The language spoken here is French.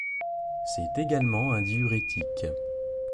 C'est également un diurétique.